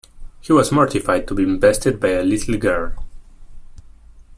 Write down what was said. He was mortified to be bested by a little girl.